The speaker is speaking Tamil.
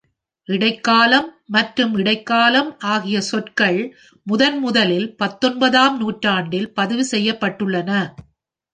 "இடைக்காலம்" மற்றும் "இடைக்காலம்" ஆகிய சொற்கள் முதன்முதலில் பத்தொன்பதாம் நூற்றாண்டில் பதிவு செய்யப்பட்டுள்ளன.